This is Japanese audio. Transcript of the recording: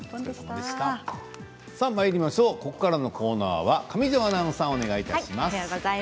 ここからのコーナーは上條アナウンサーです。